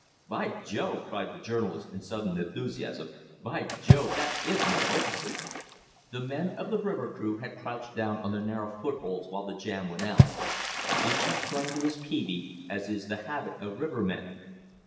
"By Jove!" cried the journalist in sudden enthusiasm. "By Jove! that is magnificent!" The men of the river crew had crouched on their narrow footholds while the jam went out. Each had clung to his peavey, as is the habit of rivermen.